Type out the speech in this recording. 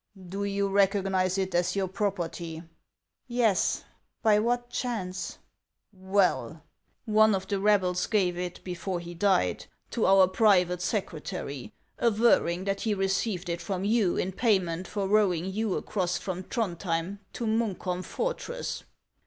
•' Do you recognize it as your property ?"•' Yes. By what chance ?"" Well ! One of the rebels gave it, before he died, to our private secretary, averring that he received it from you in payment for rowing you across from Throndhjem to Munkholm fortress.